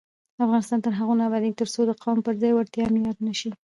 افغانستان تر هغو نه ابادیږي، ترڅو د قوم پر ځای وړتیا معیار نشي.